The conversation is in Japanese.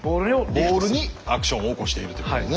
ボールにアクションを起こしているということ。